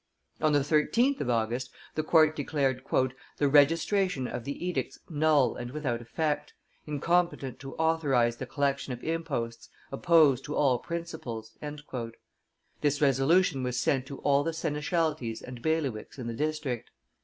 On the 13th of August, the court declared "the registration of the edicts null and without effect, incompetent to authorize the collection of imposts, opposed to all principles;" this resolution was sent to all the seneschalties and bailiwicks in the district.